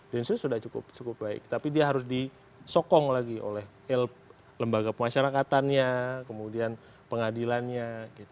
densus sudah cukup baik tapi dia harus disokong lagi oleh lembaga pemasyarakatannya kemudian pengadilannya